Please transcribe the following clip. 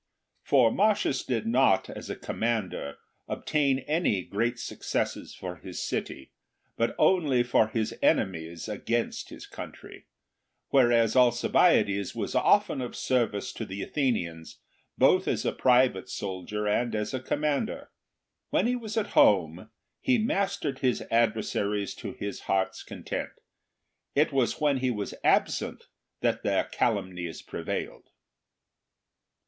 IV. For Marcius did not, as a commander, obtain any great successes for his city, but only for his enemies against his country; whereas Alcibiades was often of service to the Athenians, both as a private soldier and as a commander. When he was at home, he mastered his adversaries to his heart's content; it was when he was absent that their calumnies pre vailed.